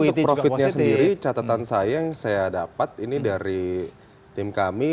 untuk profitnya sendiri catatan saya yang saya dapat ini dari tim kami